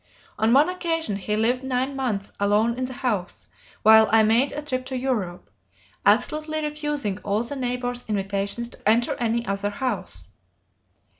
On one occasion he lived nine months alone in the house while I made a trip to Europe, absolutely refusing all the neighbors' invitations to enter any other house.